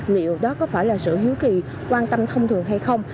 liệu đó có phải là sự hiếu kỳ quan tâm thông thường hay không